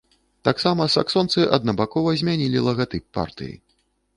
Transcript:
Таксама саксонцы аднабакова змянілі лагатып партыі.